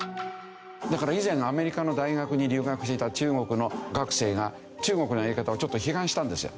だから以前アメリカの大学に留学していた中国の学生が中国のやり方をちょっと批判したんですよ。